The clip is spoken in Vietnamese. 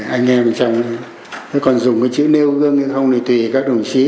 anh em trong thế còn dùng cái chữ nêu gương hay không thì tùy các đồng chí